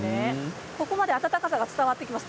ここまで温かさが伝わってきます。